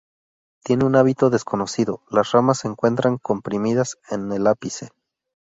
Tiene un hábito desconocido, las ramas se encuentran comprimidas en el ápice.